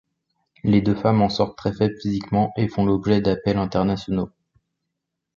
Les deux femmes en sortent très faibles physiquement, et font l'objet d'appels internationaux.